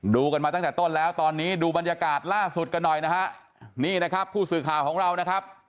ดูกันมาตั้งแต่ต้นแล้วตอนนี้ดูบรรยากาศล่าสุดกันหน่อยนะฮะนี่นะครับผู้สื่อข่าวของเรานะครับ